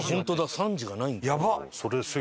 ３時がないんだ。